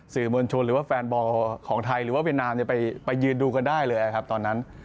สื่อมวลชนหรือว่าแฟนบอลของไทยหรือว่าเวียดนามไปยืนดูกันได้เลยครับตอนนั้น